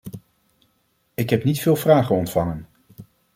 Ik heb niet veel vragen ontvangen.